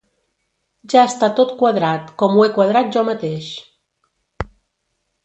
Ja està tot quadrat, com ho he quadrat jo mateix.